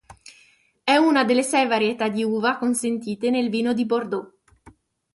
É una delle sei varietà di uva consentite nel Vino di Bordeaux.